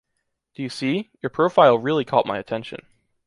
Do you see? Your profile really caught my attention.